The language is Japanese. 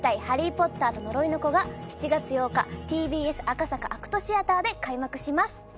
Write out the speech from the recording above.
「ハリー・ポッターと呪いの子」が７月８日ＴＢＳ赤坂ＡＣＴシアターで開幕します